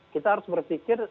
kita harus berpikir